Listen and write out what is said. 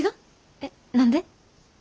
えっ何で？